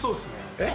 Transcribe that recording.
えっ？